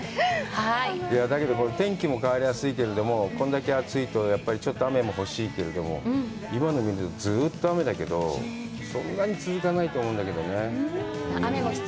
だけど、天気も変わりやすいけれども、これだけ暑いとやっぱりちょっと雨も欲しいけれども、今、ずっと雨だけど、そんなに続かないと思うんだけどね。